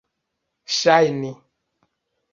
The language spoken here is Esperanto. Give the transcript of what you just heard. ŝajni